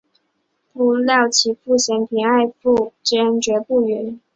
不料其父嫌贫爱富坚决不允。